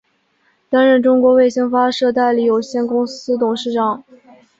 担任中国卫星发射代理有限公司董事长。